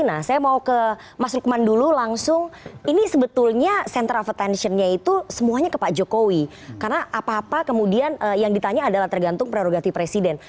nah saya mau ke mas lukman dulu langsung ini sebetulnya center of attentionnya itu semuanya ke pak jokowi karena apa apa kemudian yang ditanya adalah tergantung prerogatif presiden